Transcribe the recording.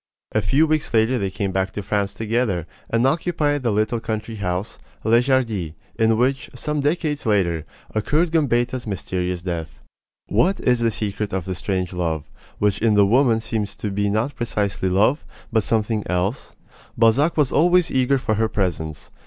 A few weeks later they came back to France together, and occupied the little country house, Les Jardies, in which, some decades later, occurred Gambetta's mysterious death. What is the secret of this strange love, which in the woman seems to be not precisely love, but something else? Balzac was always eager for her presence.